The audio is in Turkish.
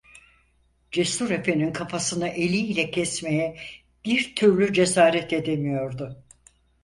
Cesur efenin kafasını eliyle kesmeye bir türlü cesaret edemiyordu.